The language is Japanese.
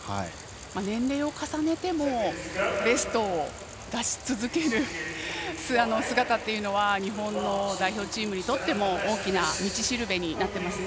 年齢を重ねてもベストを出し続ける姿は日本の代表チームにとっても大きな道しるべになっていますね。